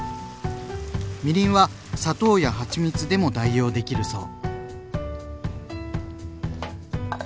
みりんは砂糖やはちみつでも代用できるそう。